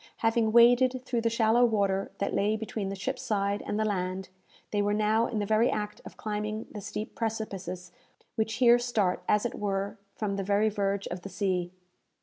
Having waded through the shallow water that lay between the ship's side and the land, they were now in the very act of climbing the steep precipices which here start, as it were, from the very verge of the sea.